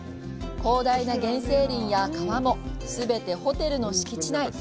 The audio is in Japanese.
広大な原生林や川もすべてホテルの敷地内。